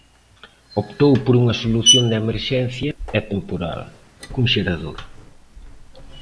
Optou por unha solución de emerxencia e temporal, cun xerador.